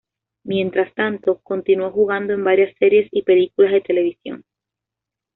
Mientras tanto, continuó jugando en varias series y películas de televisión.